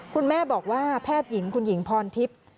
คุณแม่บอกว่าแพทย์หญิงคุณหญิงพรทิพย์